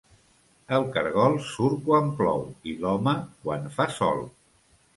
El caragol surt quan plou i l'home quan fa sol.